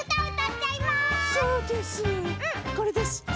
これです。